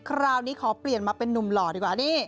คราวนี้ขอเปลี่ยนมาเป็นนุ่มหล่อดีกว่านี่